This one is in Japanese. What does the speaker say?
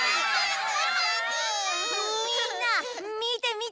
みんなみてみて！